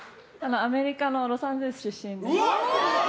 アメリカのロサンゼルス出身です。